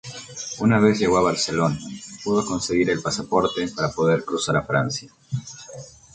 Una vez llegó a Barcelona pudo conseguir el pasaporte para poder cruzar a Francia.